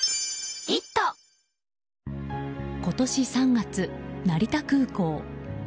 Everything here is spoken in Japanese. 今年３月、成田空港。